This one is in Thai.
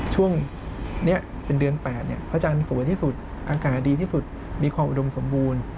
ช่วงนี้เป็นเดือน๘พระอาจารย์สวยที่สุดอากาศดีที่สุดมีความอุดมสมบูรณ์